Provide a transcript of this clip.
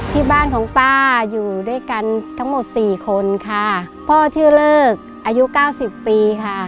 ที่บ้านของป้าอยู่ด้วยกันทั้งหมดสี่คนค่ะพ่อชื่อเลิกอายุเก้าสิบปีค่ะ